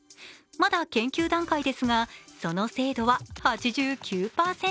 まだ研究段階ですがその精度は８９％。